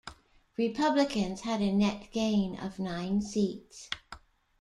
Republicans had a net gain of nine seats.